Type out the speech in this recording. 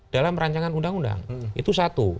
dalam rancangan undang undang itu satu